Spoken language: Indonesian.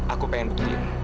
aku pengen buktiin